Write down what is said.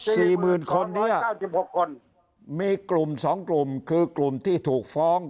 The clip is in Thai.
สี่หมื่นคนนี้เก้าสิบหกคนมีกลุ่มสองกลุ่มคือกลุ่มที่ถูกฟ้อง